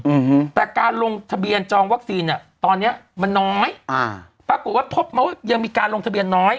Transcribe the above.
อืมแต่การลงทะเบียนจองวัคซีนเนี้ยตอนเนี้ยมันน้อยอ่าปรากฏว่าพบมาว่ายังมีการลงทะเบียนน้อย